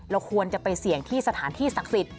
ควรจะไปเสี่ยงที่สถานที่ศักดิ์สิทธิ